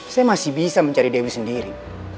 saya masih bisa mencari dewi sendiri